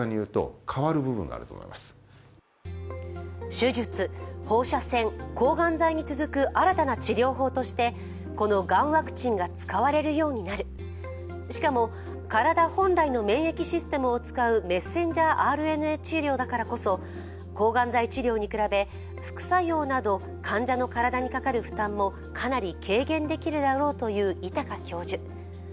手術、放射線、抗がん剤に続く新たな治療法としてこのがんワクチンが使われるようになる、しかも、体本来の免疫システムを使うメッセンジャーＲＮＡ治療だからこそ抗がん剤治療に比べ副作用など患者の体にかかる負担もかなり軽減できるだろうと言う位高教授。